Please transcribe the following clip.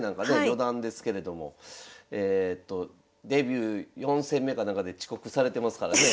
四段ですけれどもデビュー４戦目かなんかで遅刻されてますからね。